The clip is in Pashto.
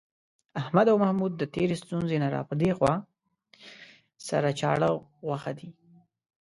احمد او محمود د تېرې ستونزې نه را پدېخوا، سره چاړه غوښه دي.